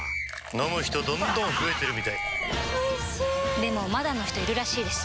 飲む人どんどん増えてるみたいおいしでもまだの人いるらしいですよ